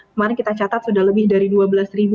kemarin kita catat sudah lebih dari rp dua belas